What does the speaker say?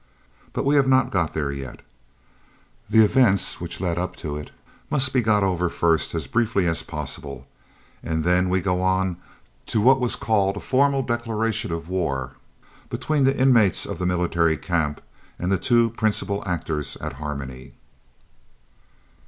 But we have not got there yet. The events which led up to it must be got over first as briefly as possible, and then we go on to what was called a formal declaration of war between the inmates of the Military Camp and the two principal actors at Harmony.